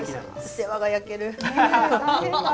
世話が焼ける。